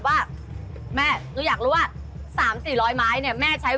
มีเเหละครับมีค่ะมีคอได้รู้มั้ยปลาหมึกมีคอ